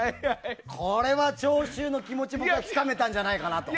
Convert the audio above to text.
これは、聴衆の気持ちもつかめたんじゃないかと。